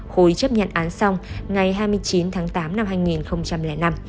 khôi chấp nhận án xong ngày hai mươi chín tháng tám năm hai nghìn hai